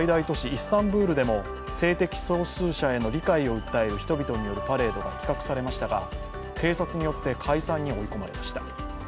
イスタンブールでも性的少数者への理解を訴える人々によるパレードが企画されましたが警察によって、解散に追い込まれました。